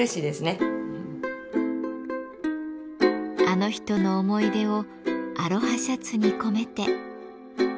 あの人の思い出をアロハシャツに込めて。